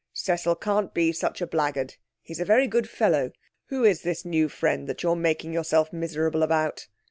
'Cecil can't be such a blackguard. He's a very good fellow. Who is this new friend that you're making yourself miserable about?'